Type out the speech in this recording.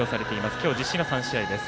今日実施が３試合です。